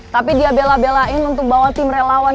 tapi dia bela belain untuk bawa tim relawan